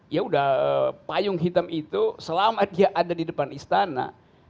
ya udah payung hitam itu selama dia ada di depan istana